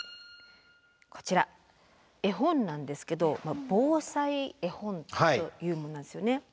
こちら絵本なんですけど「防災絵本」というものなんですよね。